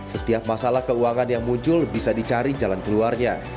setiap masalah keuangan yang muncul bisa dicari jalan keluarnya